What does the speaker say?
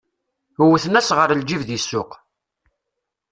Wwten-as ɣer lǧib di ssuq.